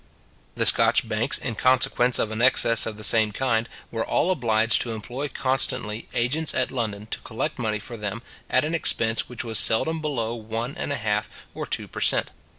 The Scotch banks, in consequence of an excess of the same kind, were all obliged to employ constantly agents at London to collect money for them, at an expense which was seldom below one and a half or two per cent.